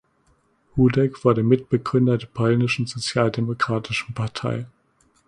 Hudec wurde Mitbegründer der Polnischen Sozialdemokratischen Partei.